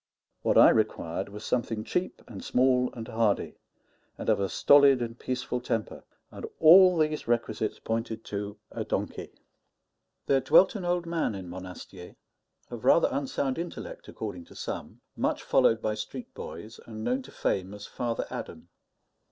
What I required was something cheap and small and hardy, and of a stolid and peaceful temper; and all these requisites pointed to a donkey. There dwelt an old man in Monastier, of rather unsound intellect according to some, much followed by street boys, and known to fame as Father Adam.